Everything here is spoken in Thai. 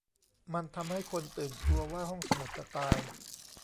มันทำให้คนตื่นกลัวว่าห้องสมุดจะตาย